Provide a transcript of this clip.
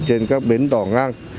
trên các bến đỏ ngang